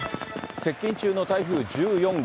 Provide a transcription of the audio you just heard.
接近中の台風１４号。